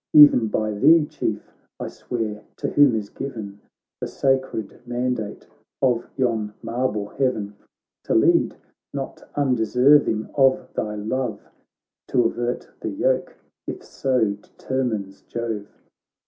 E'en by thee, Chief, I swear, to whom is given The sacred mandate of yon marble heaven — To lead, not undeserving of thy love, T' avert the yoke, if so determines Jove.'